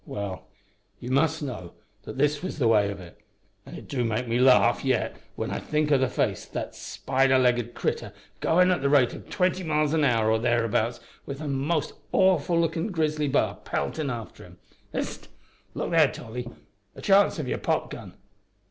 "Well, you must know, this was the way of it and it do make me larf yet when I think o' the face o' that spider legged critter goin' at the rate of twenty miles an hour or thereabouts wi' that most awful lookin' grizzly b'ar peltin' after him. Hist! Look there, Tolly. A chance for your popgun."